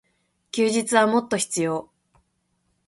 休日はもっと必要。